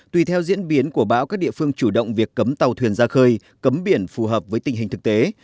tùy theo diễn biến của bão các địa phương chủ động việc cấm tàu thuyền ra khơi cấm biển phù hợp với tình hình thực tế